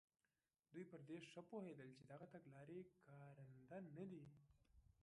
دوی پر دې ښه پوهېدل چې دغه تګلارې کارنده نه دي.